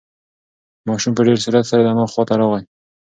ماشوم په ډېر سرعت سره د انا خواته راغی.